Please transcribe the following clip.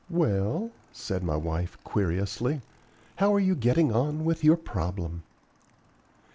"Well," said my wife, querulously, "how are you getting on with your problem?"